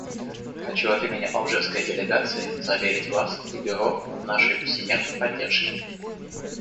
Хочу от имени алжирской делегации заверить Вас и Бюро в нашей всемерной поддержке.